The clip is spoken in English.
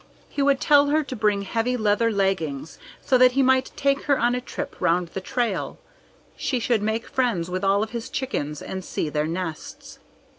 He would tell her to bring heavy leather leggings, so that he might take her on a trip around the trail. She should make friends with all of his chickens and see their nests.